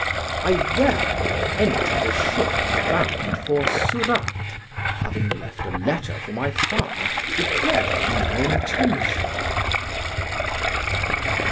I therefore entered a ship bound for Surat, having left a letter for my father declaring my intention."